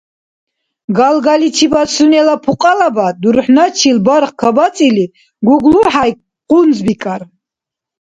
Галгаличибад сунела пукьалабад дурхӀначил барх кабацӀили ГуглахӀяй къунзбикӀар.